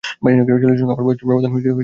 ছেলেটির সঙ্গে আমার বয়সের ব্যবধান ন মাসের মতো।